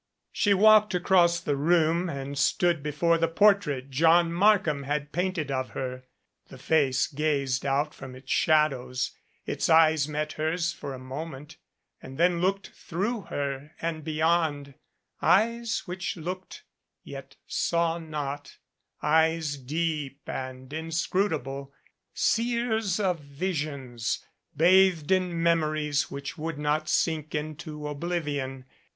She walked across the room and stood before the por trait John Markham had painted of her. The face gazed out from its shadows, its eyes met hers for a moment, then looked through her and beyond, eyes which looked, yet saw not, eyes deep and inscrutable, seers of visions, bathed in memories which would not sink into oblivion.